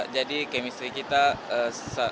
jadi chemistry kita sangat baik